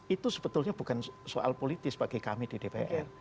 itu sebetulnya bukan soal politis bagi kami di dpr